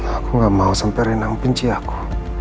aku nggak mau sampai rena membenci aku